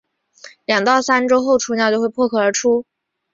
两到三周后雏鸟就会破壳而出。